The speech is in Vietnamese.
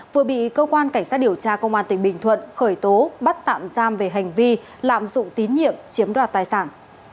vừa bị cơ quan cảnh sát điều tra công an tỉnh bình thuận khởi tố bắt tạm giam về hành vi lạm dụng tín nhiệm chiếm đoạt tài sản